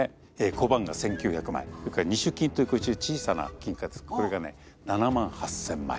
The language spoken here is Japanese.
小判が１，９００枚それから二朱金という小さな金貨これがね７万８，０００枚。